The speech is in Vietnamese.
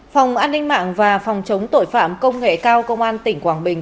phòng an ninh mạng và phòng chống tội phạm công nghệ cao công an tỉnh quảng bình